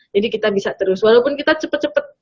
jadi kita bisa terus walaupun kita cepet cepet